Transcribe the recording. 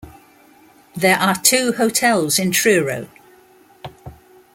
There are two hotels in Truro.